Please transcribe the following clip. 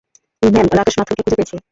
Ma'am, Rakesh মাথুরকে খুঁজে পেয়েছি।